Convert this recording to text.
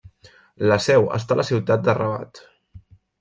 La seu està a la ciutat de Rabat.